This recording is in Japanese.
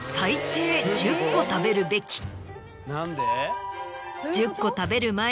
何で？